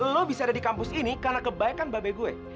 lo bisa ada di kampus ini karena kebaikan babe gue